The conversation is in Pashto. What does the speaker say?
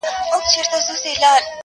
چي زړېږم مخ مي ولي د دعا پر لوري سم سي.!